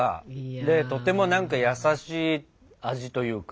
でとても何か優しい味というか。